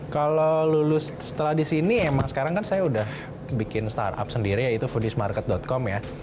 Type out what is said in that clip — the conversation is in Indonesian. kalau lulus setelah di sini emang sekarang kan saya udah bikin startup sendiri yaitu foodiesmarket com ya